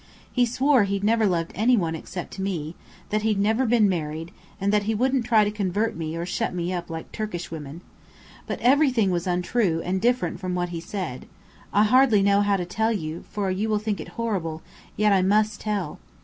He swore he'd never loved any one except me, that he'd never been married, and that he wouldn't try to convert me or shut me up like Turkish women. But everything was untrue and different from what he said. I hardly know how to tell you, for you will think it horrible, yet I must tell.